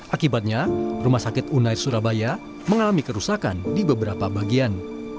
akibatnya rumah sakit unair surabaya mengalami kerusakan di beberapa bagian